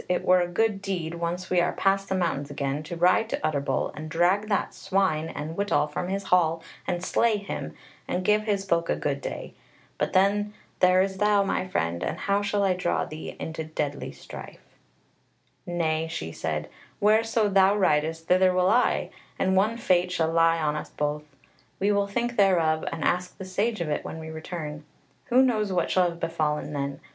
it were a good deed, once we are past the mountains again, to ride to Utterbol and drag that swine and wittol from his hall and slay him, and give his folk a good day. But then there is thou, my friend, and how shall I draw thee into deadly strife?" "Nay," she said, "whereso thou ridest thither will I, and one fate shall lie on us both. We will think thereof and ask the Sage of it when we return. Who knows what shall have befallen then?